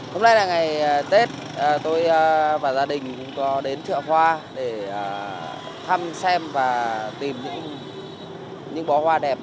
hôm nay là ngày tết tôi và gia đình cũng có đến chợ hoa để thăm xem và tìm những bó hoa đẹp